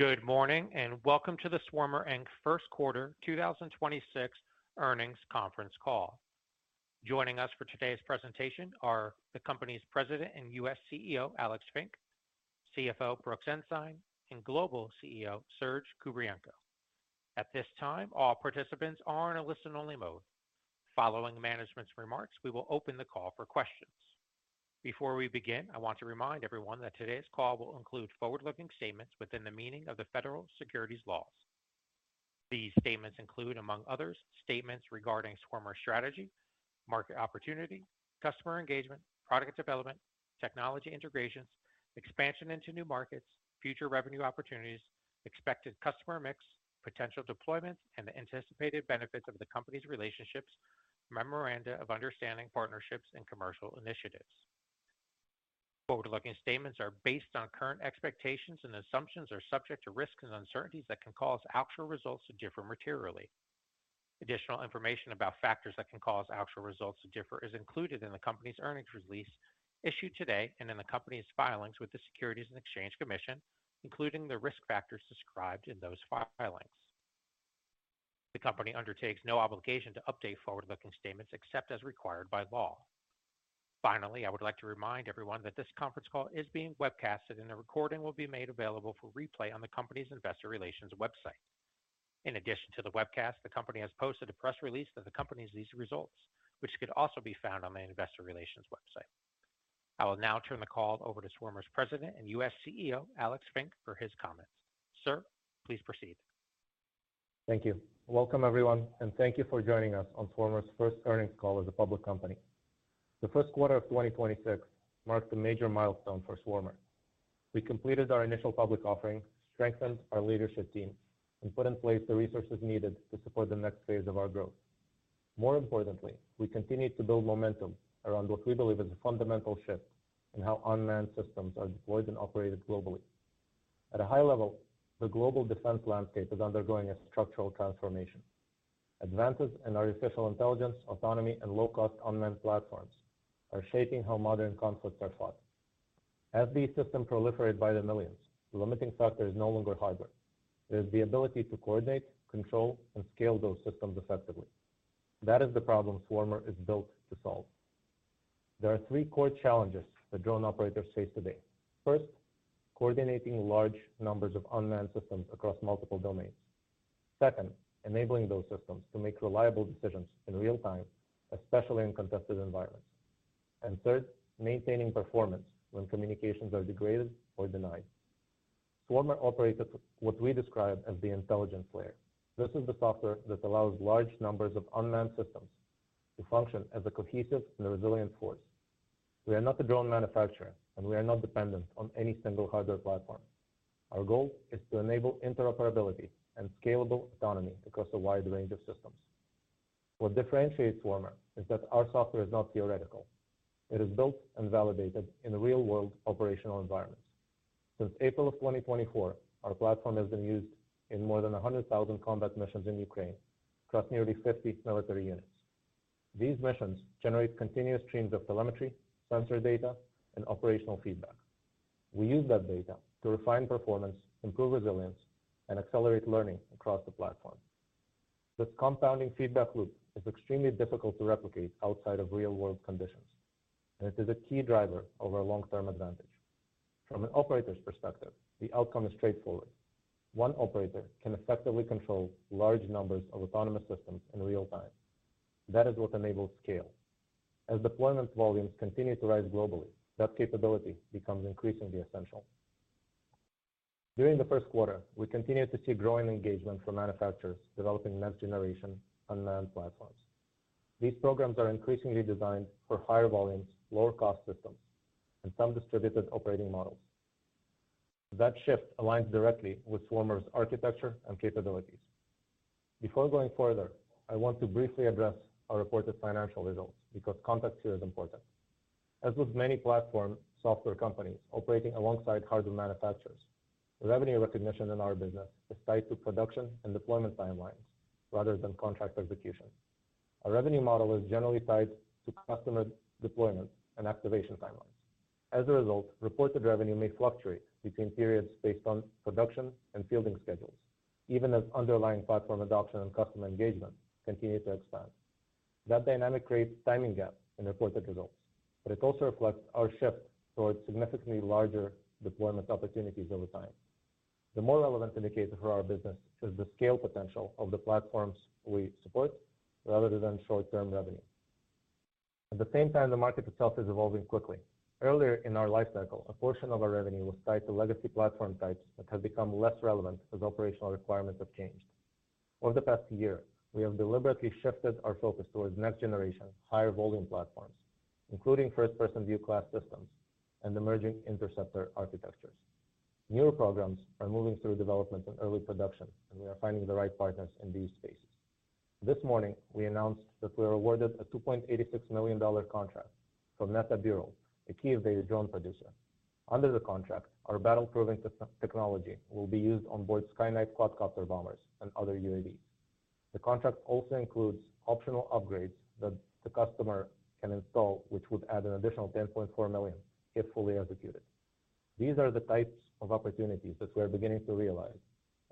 Good morning, and welcome to the Swarmer, Inc. first quarter 2026 earnings conference call. Joining us for today's presentation are the company's President and U.S. CEO, Alex Fink, CFO Brooks Ensign, and Global CEO Serhii Kupriienko. At this time, all participants are in a listen-only mode. Following management's remarks, we will open the call for questions. Before we begin, I want to remind everyone that today's call will include forward-looking statements within the meaning of the federal securities laws. These statements include, among others, statements regarding Swarmer's strategy, market opportunity, customer engagement, product development, technology integrations, expansion into new markets, future revenue opportunities, expected customer mix, potential deployments, and the anticipated benefits of the company's relationships, memoranda of understanding, partnerships, and commercial initiatives. Forward-looking statements are based on current expectations and assumptions are subject to risks and uncertainties that can cause actual results to differ materially. Additional information about factors that can cause actual results to differ is included in the company's earnings release issued today and in the company's filings with the Securities and Exchange Commission, including the risk factors described in those filings. The company undertakes no obligation to update forward-looking statements except as required by law. Finally, I would like to remind everyone that this conference call is being webcast, and a recording will be made available for replay on the company's investor relations website. In addition to the webcast, the company has posted a press release of the company's results, which could also be found on the investor relations website. I will now turn the call over to Swarmer's President and U.S. CEO, Alex Fink, for his comments. Sir, please proceed. Thank you. Welcome, everyone, and thank you for joining us on Swarmer's first earnings call as a public company. The first quarter of 2026 marked a major milestone for Swarmer. We completed our initial public offering, strengthened our leadership team, and put in place the resources needed to support the next phase of our growth. More importantly, we continue to build momentum around what we believe is a fundamental shift in how unmanned systems are deployed and operated globally. At a high level, the global defense landscape is undergoing a structural transformation. Advances in artificial intelligence, autonomy, and low-cost unmanned platforms are shaping how modern conflicts are fought. As these systems proliferate by the millions, the limiting factor is no longer hardware. It is the ability to coordinate, control, and scale those systems effectively. That is the problem Swarmer is built to solve. There are three core challenges that drone operators face today. First, coordinating large numbers of unmanned systems across multiple domains. Second, enabling those systems to make reliable decisions in real time, especially in contested environments. Third, maintaining performance when communications are degraded or denied. Swarmer operates at what we describe as the intelligence layer. This is the software that allows large numbers of unmanned systems to function as a cohesive and resilient force. We are not the drone manufacturer, and we are not dependent on any single hardware platform. Our goal is to enable interoperability and scalable autonomy across a wide range of systems. What differentiates Swarmer is that our software is not theoretical. It is built and validated in real-world operational environments. Since April of 2024, our platform has been used in more than 100,000 combat missions in Ukraine across nearly 50 military units. These missions generate continuous streams of telemetry, sensor data, and operational feedback. We use that data to refine performance, improve resilience, and accelerate learning across the platform. This compounding feedback loop is extremely difficult to replicate outside of real-world conditions, and it is a key driver of our long-term advantage. From an operator's perspective, the outcome is straightforward. One operator can effectively control large numbers of autonomous systems in real time. That is what enables scale. As deployment volumes continue to rise globally, that capability becomes increasingly essential. During the first quarter, we continued to see growing engagement from manufacturers developing next-generation unmanned platforms. These programs are increasingly designed for higher volumes, lower-cost systems, and some distributed operating models. That shift aligns directly with Swarmer's architecture and capabilities. Before going further, I want to briefly address our reported financial results because context here is important. As with many platform software companies operating alongside hardware manufacturers, revenue recognition in our business is tied to production and deployment timelines rather than contract execution. Our revenue model is generally tied to customer deployment and activation timelines. As a result, reported revenue may fluctuate between periods based on production and fielding schedules, even as underlying platform adoption and customer engagement continue to expand. That dynamic creates timing gap in reported results, but it also reflects our shift towards significantly larger deployment opportunities over time. The more relevant indicator for our business is the scale potential of the platforms we support rather than short-term revenue. At the same time, the market itself is evolving quickly. Earlier in our life cycle, a portion of our revenue was tied to legacy platform types that have become less relevant as operational requirements have changed. Over the past year, we have deliberately shifted our focus towards next-generation higher volume platforms, including first-person view class systems and emerging interceptor architectures. Newer programs are moving through development and early production, we are finding the right partners in these spaces. This morning, we announced that we are awarded a $2.86 million contract from Meta Bureau, a Kyiv-based drone producer. Under the contract, our battle-proven technology will be used on board SkyKnight quadcopter bombers and other UAVs. The contract also includes optional upgrades that the customer can install, which would add an additional $10.4 million if fully executed. These are the types of opportunities that we are beginning to realize,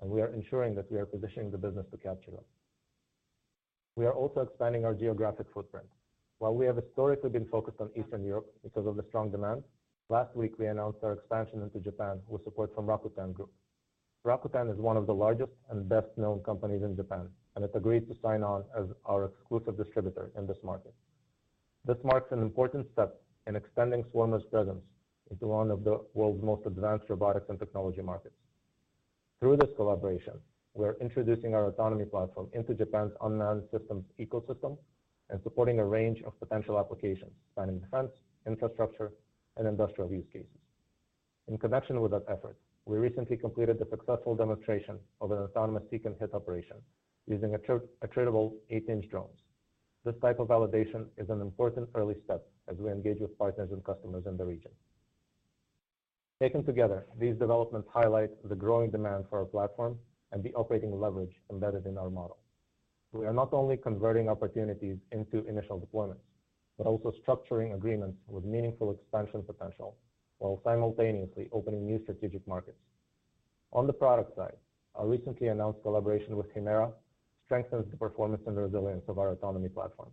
we are ensuring that we are positioning the business to capture them. We are also expanding our geographic footprint. While we have historically been focused on Eastern Europe because of the strong demand, last week we announced our expansion into Japan with support from Rakuten Group. Rakuten is one of the largest and best-known companies in Japan, and it agreed to sign on as our exclusive distributor in this market. This marks an important step in extending Swarmer's presence into one of the world's most advanced robotics and technology markets. Through this collaboration, we're introducing our autonomy platform into Japan's unmanned systems ecosystem and supporting a range of potential applications spanning defense, infrastructure, and industrial use cases. In connection with that effort, we recently completed the successful demonstration of an autonomous seek-and-hit operation using attritable eight-inch drones. This type of validation is an important early step as we engage with partners and customers in the region. Taken together, these developments highlight the growing demand for our platform and the operating leverage embedded in our model. We are not only converting opportunities into initial deployments, but also structuring agreements with meaningful expansion potential while simultaneously opening new strategic markets. On the product side, our recently announced collaboration with HIMERA strengthens the performance and resilience of our autonomy platform.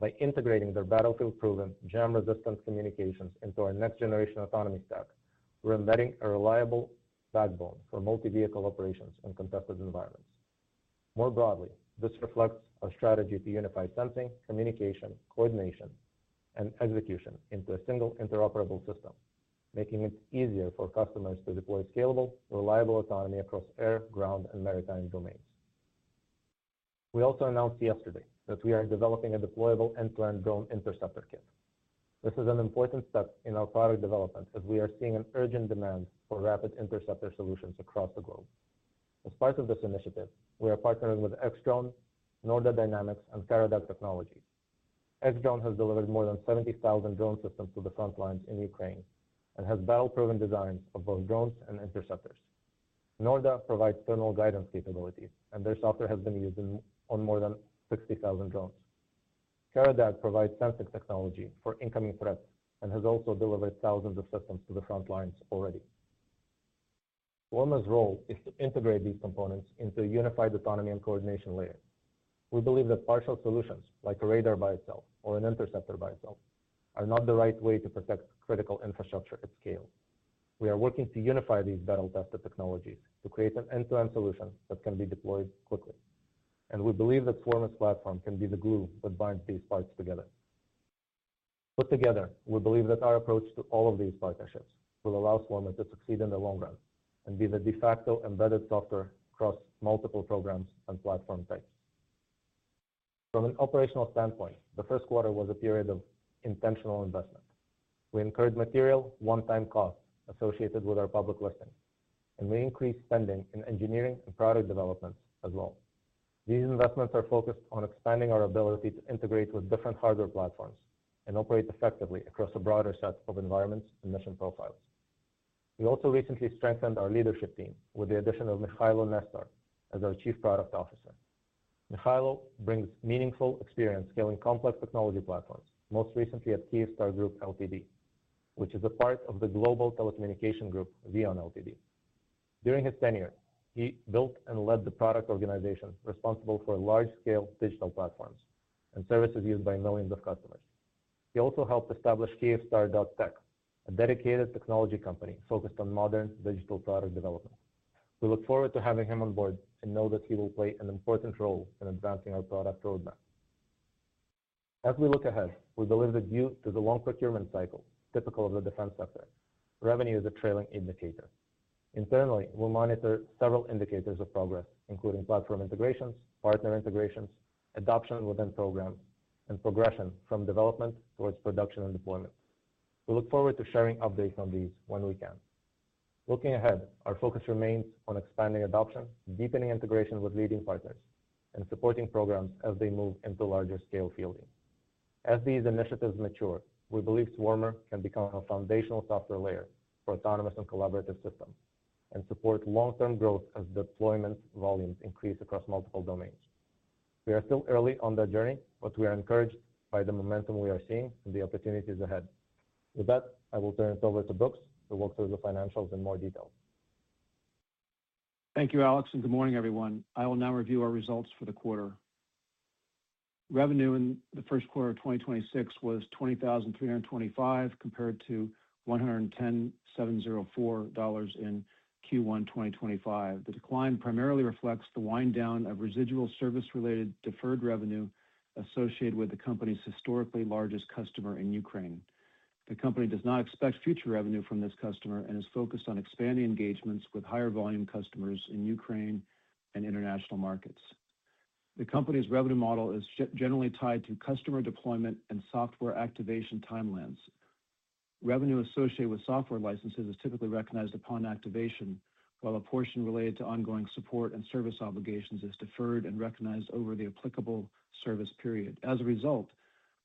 By integrating their battlefield-proven jam-resistant communications into our next-generation autonomy stack, we're embedding a reliable backbone for multi-vehicle operations in contested environments. More broadly, this reflects our strategy to unify sensing, communication, coordination, and execution into a single interoperable system, making it easier for customers to deploy scalable, reliable autonomy across air, ground, and maritime domains. We also announced yesterday that we are developing a deployable end-to-end drone interceptor kit. This is an important step in our product development as we are seeing an urgent demand for rapid interceptor solutions across the globe. As part of this initiative, we are partnering with X-Drone, NORDA Dynamics, and Kara Dag Technologies. X-Drone has delivered more than 70,000 drone systems to the frontlines in Ukraine and has battle-proven designs of both drones and interceptors. NORDA provides terminal guidance capabilities, and their software has been used on more than 60,000 drones. Kara Dag provides sensing technology for incoming threats and has also delivered thousands of systems to the frontlines already. Swarmer's role is to integrate these components into a unified autonomy and coordination layer. We believe that partial solutions, like a radar by itself or an interceptor by itself, are not the right way to protect critical infrastructure at scale. We are working to unify these battle-tested technologies to create an end-to-end solution that can be deployed quickly. We believe that Swarmer's platform can be the glue that binds these parts together. Put together, we believe that our approach to all of these partnerships will allow Swarmer to succeed in the long run and be the de facto embedded software across multiple programs and platform types. From an operational standpoint, the first quarter was a period of intentional investment. We incurred material one-time costs associated with our public listing, and we increased spending in engineering and product development as well. These investments are focused on expanding our ability to integrate with different hardware platforms and operate effectively across a broader set of environments and mission profiles. We also recently strengthened our leadership team with the addition of Mykhailo Nestor as our Chief Product Officer. Mykhailo Nestor brings meaningful experience scaling complex technology platforms, most recently at Kyivstar Group Ltd., which is a part of the global telecommunication group VEON Ltd. During his tenure, he built and led the product organization responsible for large-scale digital platforms and services used by millions of customers. He also helped establish Kyivstar.Tech, a dedicated technology company focused on modern digital product development. We look forward to having him on board and know that he will play an important role in advancing our product roadmap. As we look ahead, we believe that due to the long procurement cycle typical of the defense sector, revenue is a trailing indicator. Internally, we'll monitor several indicators of progress, including platform integrations, partner integrations, adoption within programs, and progression from development towards production and deployment. We look forward to sharing updates on these when we can. Looking ahead, our focus remains on expanding adoption, deepening integration with leading partners, and supporting programs as they move into larger-scale fielding. As these initiatives mature, we believe Swarmer can become a foundational software layer for autonomous and collaborative systems and support long-term growth as deployment volumes increase across multiple domains. We are still early on that journey, but we are encouraged by the momentum we are seeing and the opportunities ahead. With that, I will turn it over to Brooks to walk through the financials in more detail. Thank you, Alex, and good morning, everyone. I will now review our results for the quarter. Revenue in the first quarter of 2026 was $20,325 compared to $110,704 in Q1 2025. The decline primarily reflects the wind-down of residual service-related deferred revenue associated with the company's historically largest customer in Ukraine. The company does not expect future revenue from this customer and is focused on expanding engagements with higher volume customers in Ukraine and international markets. The company's revenue model is generally tied to customer deployment and software activation timelines. Revenue associated with software licenses is typically recognized upon activation, while a portion related to ongoing support and service obligations is deferred and recognized over the applicable service period.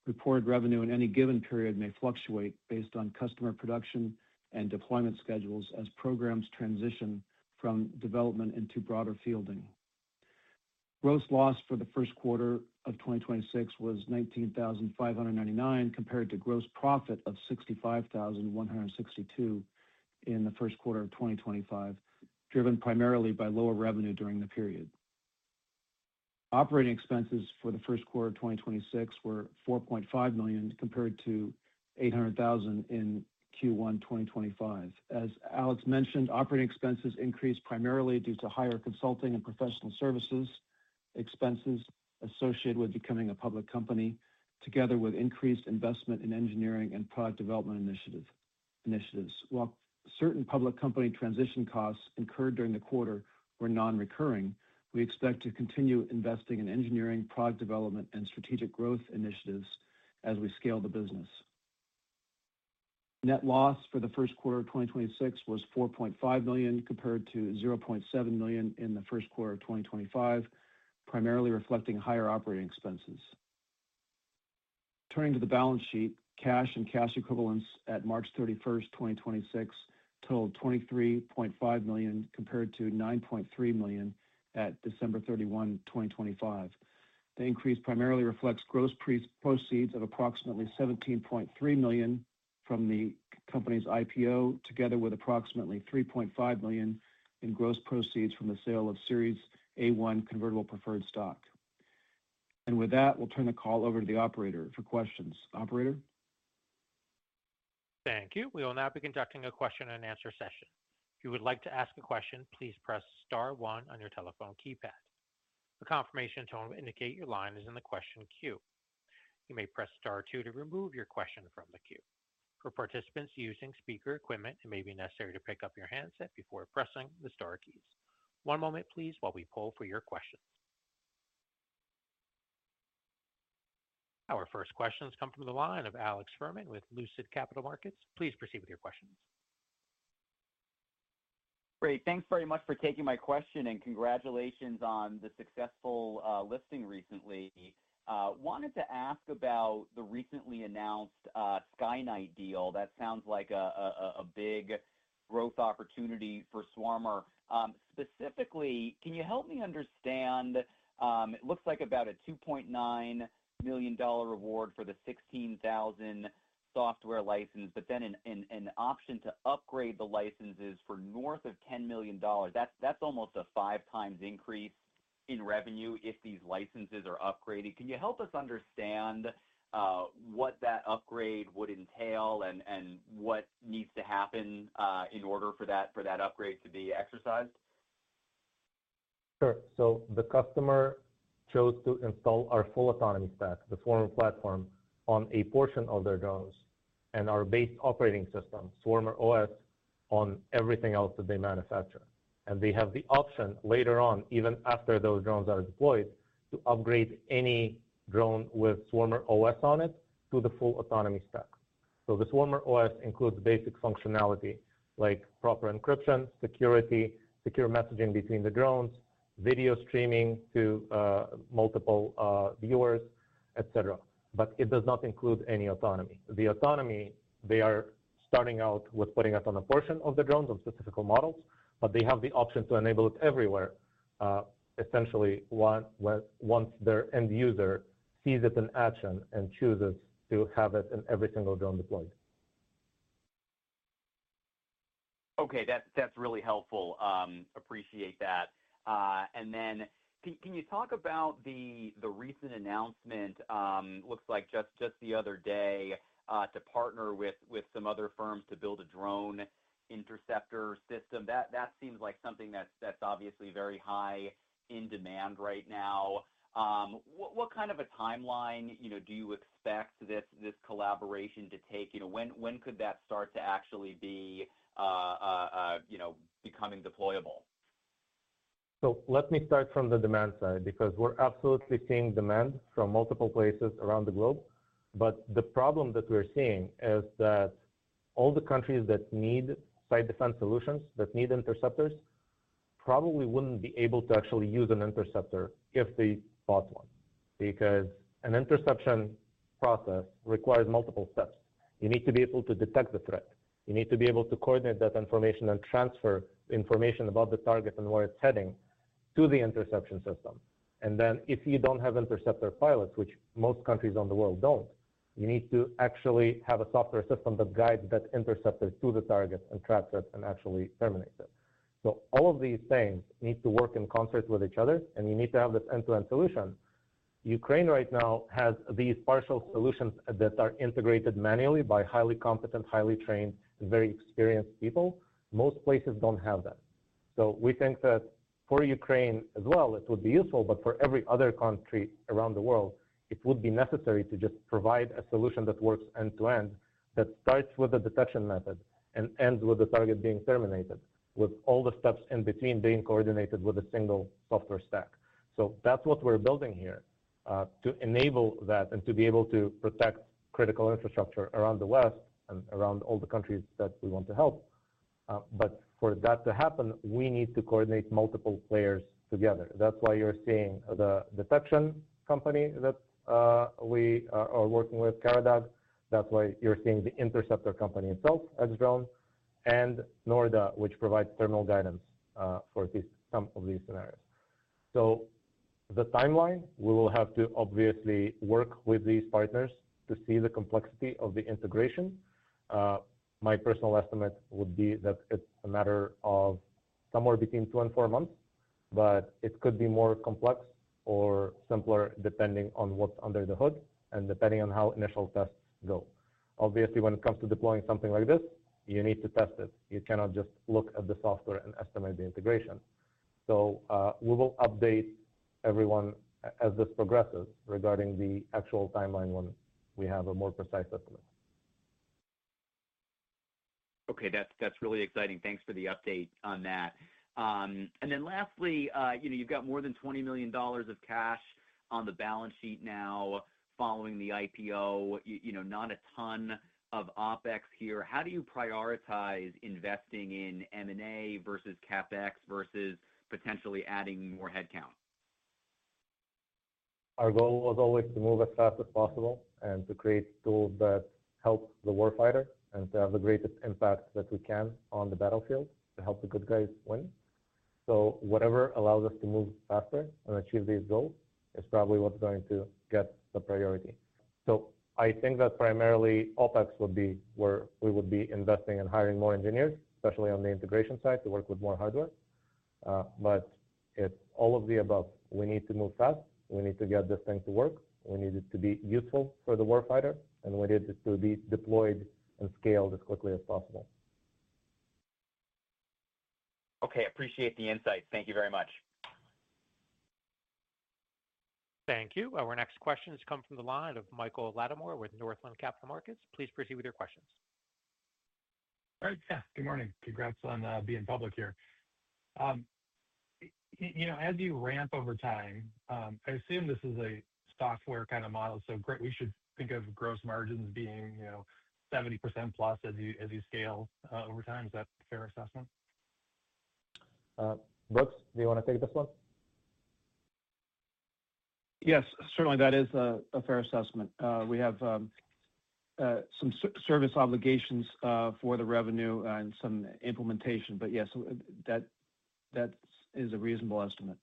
Reported revenue in any given period may fluctuate based on customer production and deployment schedules as programs transition from development into broader fielding. Gross loss for the first quarter of 2026 was $19,599, compared to gross profit of $65,162 in the first quarter of 2025, driven primarily by lower revenue during the period. Operating expenses for the first quarter of 2026 were $4.5 million, compared to $800,000 in Q1 2025. As Alex mentioned, operating expenses increased primarily due to higher consulting and professional services, expenses associated with becoming a public company, together with increased investment in engineering and product development initiatives. While certain public company transition costs incurred during the quarter were non-recurring, we expect to continue investing in engineering, product development, and strategic growth initiatives as we scale the business. Net loss for the first quarter of 2026 was $4.5 million, compared to $0.7 million in the first quarter of 2025, primarily reflecting higher OpEx. Turning to the balance sheet, cash and cash equivalents at March 31st, 2026 totaled $23.5 million, compared to $9.3 million at December 31, 2025. The increase primarily reflects gross proceeds of approximately $17.3 million from the company's IPO, together with approximately $3.5 million in gross proceeds from the sale of Series A-1 convertible preferred stock. With that, we'll turn the call over to the operator for questions. Operator? Thank you. We will now be conducting a question-and-answer session. If you would like to ask a question, please press star one on your telephone keypad. The confirmation tone indicates your line is in the question queue. You may press star to remove your question from the queue. For participants using speaker equipment, it may be necessary to pick up your handset before pressing the star key. One moment, please. While we call for your question. Our first question has come from the line of Alex Fuhrman with Lucid Capital Markets. Please proceed with your questions. Great. Thanks very much for taking my question. Congratulations on the successful listing recently. Wanted to ask about the recently announced SkyKnight deal. That sounds like a big growth opportunity for Swarmer. Specifically, can you help me understand? It looks like about a $2.9 million reward for the 16,000 software licenses. Then an option to upgrade the licenses for north of $10 million. That's almost a five times increase in revenue if these licenses are upgraded. Can you help us understand what that upgrade would entail and what needs to happen in order for that upgrade to be exercised? Sure. The customer chose to install our Full Autonomy Stack, the Swarmer platform, on a portion of their drones and our base operating system, Swarmer OS, on everything else that they manufacture. They have the option later on, even after those drones are deployed, to upgrade any drone with Swarmer OS on it to the Full Autonomy Stack. The Swarmer OS includes basic functionality like proper encryption, security, secure messaging between the drones, video streaming to multiple viewers, et cetera, but it does not include any autonomy. The autonomy, they are starting out with putting it on a portion of the drones, on specific models, but they have the option to enable it everywhere, essentially, once their end user sees it in action and chooses to have it in every single drone deployed. Okay. That's really helpful. Appreciate that. Can you talk about the recent announcement, looks like just the other day, to partner with some other firms to build a drone interceptor system? That seems like something that's obviously very high in demand right now. What kind of a timeline, you know, do you expect this collaboration to take? You know, when could that start to actually be, you know, becoming deployable? Let me start from the demand side, because we're absolutely seeing demand from multiple places around the globe. The problem that we're seeing is that all the countries that need site defense solutions, that need interceptors, probably wouldn't be able to actually use an interceptor if they bought one. An interception process requires multiple steps. You need to be able to detect the threat. You need to be able to coordinate that information and transfer information about the target and where it's heading to the interception system. If you don't have interceptor pilots, which most countries around the world don't, you need to actually have a software system that guides that interceptor to the target and tracks it, and actually terminates it. All of these things need to work in concert with each other, and you need to have this end-to-end solution. Ukraine right now has these partial solutions that are integrated manually by highly competent, highly trained, very experienced people. Most places don't have that. We think that for Ukraine as well, it would be useful, but for every other country around the world, it would be necessary to just provide a solution that works end-to-end, that starts with a detection method and ends with the target being terminated, with all the steps in between being coordinated with a single software stack. That's what we're building here to enable that and to be able to protect critical infrastructure around the West and around all the countries that we want to help. For that to happen, we need to coordinate multiple players together. That's why you're seeing the detection company that we are working with, Karadag. That's why you're seeing the interceptor company itself, X-Drone, and NORDA, which provides terminal guidance for these, some of these scenarios. The timeline, we will have to obviously work with these partners to see the complexity of the integration. My personal estimate would be that it's a matter of somewhere between two-four months, but it could be more complex or simpler depending on what's under the hood and depending on how initial tests go. Obviously, when it comes to deploying something like this, you need to test it. You cannot just look at the software and estimate the integration. We will update everyone as this progresses regarding the actual timeline when we have a more precise estimate. Okay. That's really exciting. Thanks for the update on that. Lastly, you know, you've got more than $20 million of cash on the balance sheet now following the IPO. You know, not a ton of OpEx here. How do you prioritize investing in M&A versus CapEx versus potentially adding more headcount? Our goal was always to move as fast as possible and to create tools that help the warfighter and to have the greatest impact that we can on the battlefield to help the good guys win. Whatever allows us to move faster and achieve these goals is probably what's going to get the priority. I think that primarily OpEx would be where we would be investing in hiring more engineers, especially on the integration side, to work with more hardware. But it's all of the above. We need to move fast. We need to get this thing to work. We need it to be useful for the warfighter, and we need it to be deployed and scaled as quickly as possible. Okay. Appreciate the insight. Thank you very much. Thank you. Our next question has come from the line of Michael Latimore with Northland Capital Markets. Please proceed with your questions. All right. Yeah. Good morning. Congrats on being public here. You know, as you ramp over time, I assume this is a software kind of model, we should think of gross margins being, you know, 70% plus as you scale over time. Is that a fair assessment? Brooks, do you wanna take this one? Yes. Certainly, that is a fair assessment. We have some service obligations for the revenue and some implementation. Yes, that is a reasonable estimate.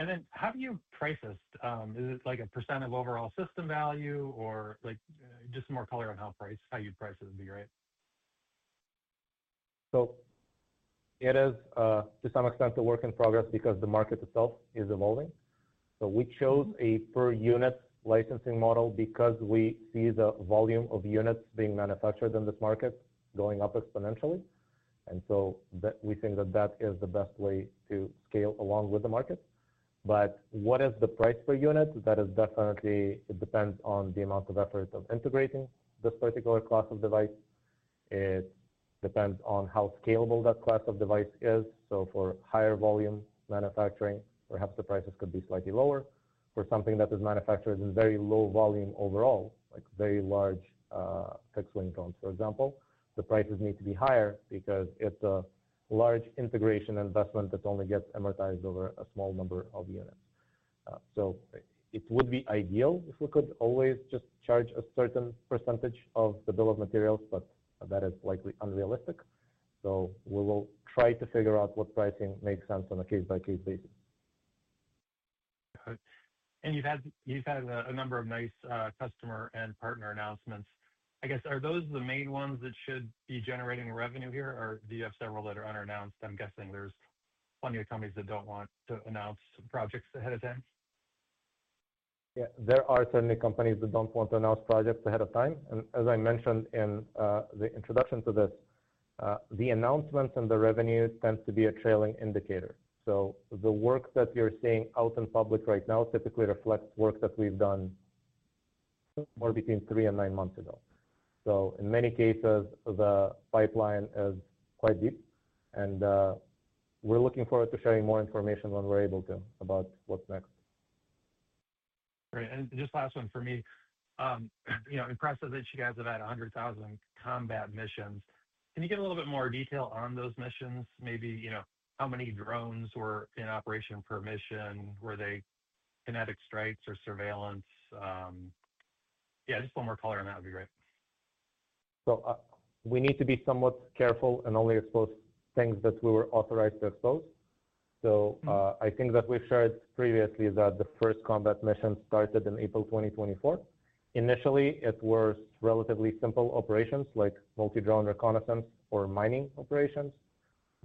Okay. How do you price this? Is it like a percentage of overall system value, or like just some more color on how price, how you'd price it would be great. It is to some extent a work in progress because the market itself is evolving. We chose a per-unit licensing model because we see the volume of units being manufactured in this market going up exponentially. We think that is the best way to scale along with the market. What is the price per unit? That is definitely. It depends on the amount of effort of integrating this particular class of device. It depends on how scalable that class of device is. For higher volume manufacturing, perhaps the prices could be slightly lower. For something that is manufactured in very low volume overall, like very large fixed-wing drones, for example, the prices need to be higher because it's a large integration investment that only gets amortized over a small number of units. It would be ideal if we could always just charge a certain percentage of the bill of materials, but that is likely unrealistic. We will try to figure out what pricing makes sense on a case-by-case basis. Got it. You've had a number of nice customer and partner announcements. I guess, are those the main ones that should be generating revenue here, or do you have several that are unannounced? I'm guessing there's plenty of companies that don't want to announce projects ahead of time. Yeah. There are certainly companies that don't want to announce projects ahead of time. As I mentioned in the introduction to this, the announcements and the revenue tend to be a trailing indicator. The work that you're seeing out in public right now typically reflects work that we've done somewhere between three and nine months ago. In many cases, the pipeline is quite deep, and we're looking forward to sharing more information when we're able to about what's next. Great. Just last one from me. You know, impressive that you guys have had 100,000 combat missions. Can you give a little bit more detail on those missions? Maybe, you know, how many drones were in operation per mission? Were they kinetic strikes or surveillance? Yeah, just one more color on that would be great. We need to be somewhat careful and only expose things that we are authorized to expose. I think that we've shared previously that the first combat mission started in April 2024. Initially, it was relatively simple operations like multi-drone reconnaissance or mining operations.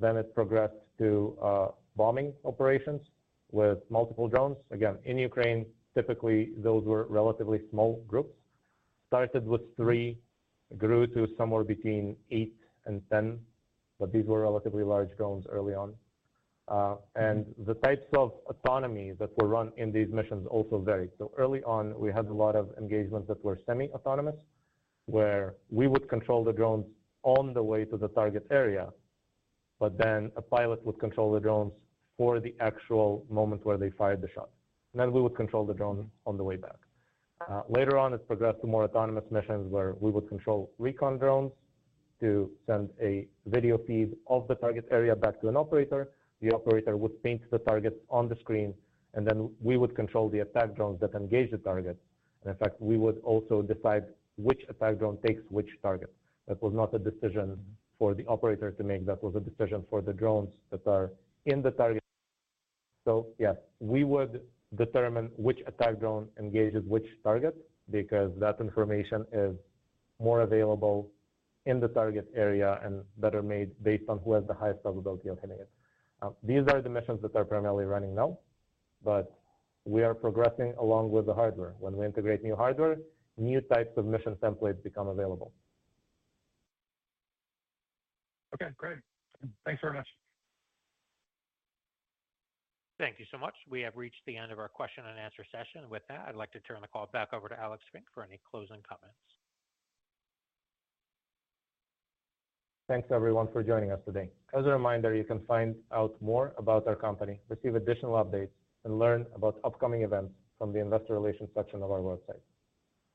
It progressed to bombing operations with multiple drones. In Ukraine, typically, those were relatively small groups. Started with three, grew to somewhere between eight and 10, but these were relatively large drones early on. The types of autonomy that were run in these missions also varied. Early on, we had a lot of engagements that were semi-autonomous, where we would control the drones on the way to the target area, but then a pilot would control the drones for the actual moment where they fired the shot. Then we would control the drone on the way back. Later on, it progressed to more autonomous missions where we would control recon drones to send a video feed of the target area back to an operator. The operator would paint the target on the screen, and then we would control the attack drones that engage the target. In fact, we would also decide which attack drone takes which target. That was not a decision for the operator to make. That was a decision for the drones that are in the target. Yeah, we would determine which attack drone engages which target because that information is more available in the target area and better made based on who has the highest probability of hitting it. These are the missions that are primarily running now, but we are progressing along with the hardware. When we integrate new hardware, new types of mission templates become available. Okay, great. Thanks very much. Thank you so much. We have reached the end of our question-and-answer session. I'd like to turn the call back over to Alex Fink for any closing comments. Thanks, everyone, for joining us today. As a reminder, you can find out more about our company, receive additional updates, and learn about upcoming events from the investor relations section of our website.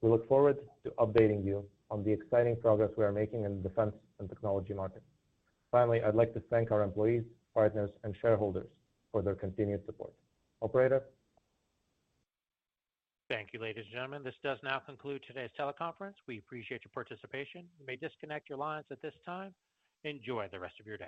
We look forward to updating you on the exciting progress we are making in the defense and technology market. Finally, I'd like to thank our employees, partners, and shareholders for their continued support. Operator. Thank you, ladies and gentlemen. This does now conclude today's teleconference. We appreciate your participation. You may disconnect your lines at this time. Enjoy the rest of your day.